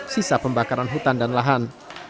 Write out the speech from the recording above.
sisa pembakaran hutan dan lahan